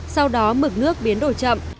sau đó mực nước biến đổi chậm